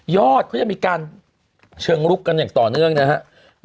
อดเขายังมีการเชิงลุกกันอย่างต่อเนื่องนะครับ